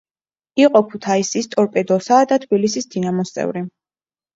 იყო ქუთაისის „ტორპედოსა“ და თბილისის „დინამოს“ წევრი.